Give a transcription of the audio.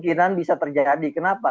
kemungkinan bisa terjadi kenapa